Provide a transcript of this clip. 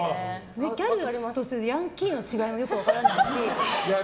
ギャルとヤンキーの違いもよく分からないし。